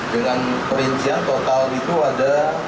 dengan perincian total itu ada tujuh sembilan ratus sepuluh